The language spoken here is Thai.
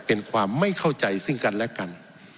เป็นความไม่เข้าใจซึ่งกันและกัน